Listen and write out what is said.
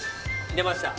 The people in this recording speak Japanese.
出ました。